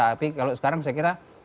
tapi kalau sekarang saya kira